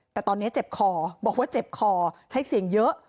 แต่ตอนนี้เจ็บคอบอกว่าเจ็บคอใช้เสียงเยอะ